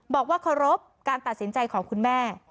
บอกว่าเคารพการตัดสินใจของคุณแม่